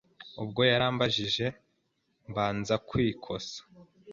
Ubwo yarambajije, mbanza kwikosa,